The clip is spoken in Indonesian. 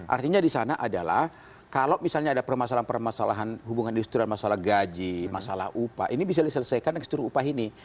artinya di sana adalah kalau misalnya ada permasalahan permasalahan hubungan industrial masalah gaji masalah upah ini bisa diselesaikan dengan seluruh upah ini